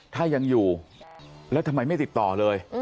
ถ้ายังอยู่แล้วทำไมไม่ติดต่อเลย